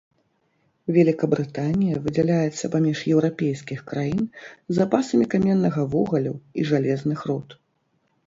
Вялікабрытанія выдзяляецца паміж еўрапейскіх краін запасамі каменнага вугалю і жалезных руд.